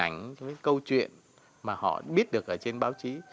cái hình ảnh cái câu chuyện mà họ biết được ở trên báo chí